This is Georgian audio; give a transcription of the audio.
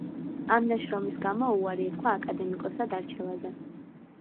ამ ნაშრომის გამო უარი ეთქვა აკადემიკოსად არჩევაზე.